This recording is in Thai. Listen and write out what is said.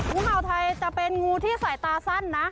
ทุกข่าวไทยจะเป็นงูที่สายตาสั้นนะ